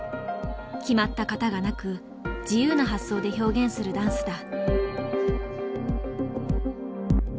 決まった型がなく自由な発想で表現するダンスだ。